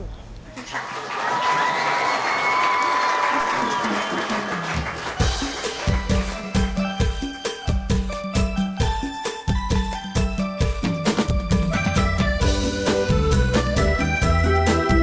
ขอโชคดีค่ะ